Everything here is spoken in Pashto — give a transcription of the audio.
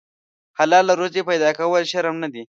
حلاله روزي پیدا کول شرم نه دی.